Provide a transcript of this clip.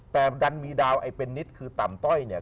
แต่ดันมีดาวไอ้เป็นนิดคือต่ำต้อยเนี่ย